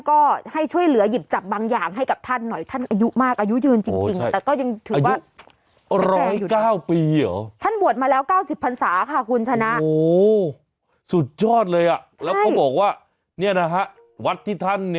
ก็ให้ช่วยเหลือหยิบจับบางอย่างให้กับท่านหน่อยท่านอายุมากอายุยืนจิกจริง